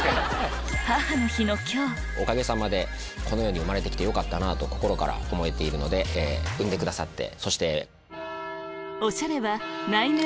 おかげさまでこの世に生まれてきてよかったなと心から思えているので産んでくださって。